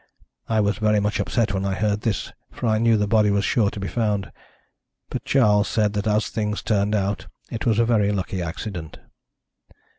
I was very much upset when I heard this, for I knew the body was sure to be found. But Charles said that, as things turned out, it was a very lucky accident.